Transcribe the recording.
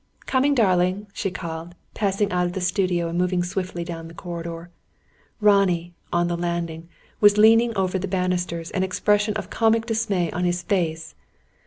"Coming, darling!" she called, passing out of the studio, and moving swiftly down the corridor. Ronnie, on the landing, was leaning over the banisters, an expression of comic dismay on his face.